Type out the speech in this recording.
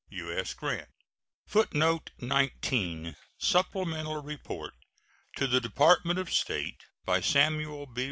U.S. GRANT. [Footnote 19: Supplemental report to the Department of State by Samuel B.